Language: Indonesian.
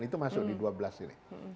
itu masuk di dua belas ini